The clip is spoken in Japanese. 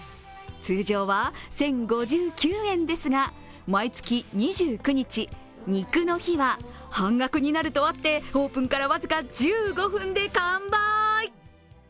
通常は１０５９円ですが、毎月２９日、ニクの日は半額になるとあって、オープンから僅か１５分で完売。